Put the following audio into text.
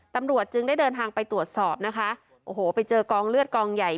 ตำรวจจึงได้เดินทางไปตรวจสอบนะคะโอ้โหไปเจอกองเลือดกองใหญ่